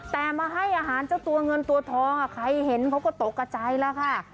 แต่มาให้อาหารเจ้าตัวเงินตัวทองใครเห็นเขาก็ตกกระใจแล้วค่ะ